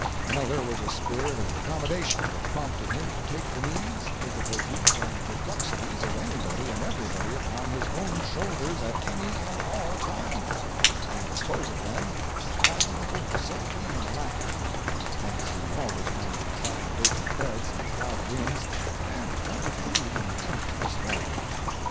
Another was a spirit of accommodation that prompted him to take the needs, difficulties and perplexities of anybody and everybody upon his own shoulders at any and all times, and dispose of them with admirable facility and alacrity—hence he always managed to find vacant beds in crowded inns, and plenty to eat in the emptiest larders.